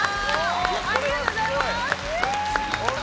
おめでとうございます！